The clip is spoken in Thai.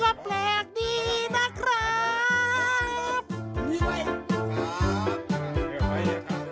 เฮ้ไหวเนี่ย